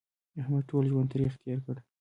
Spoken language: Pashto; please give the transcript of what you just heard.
احمد ټول ژوند تریخ تېر کړ.